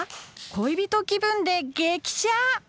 恋人気分で激写！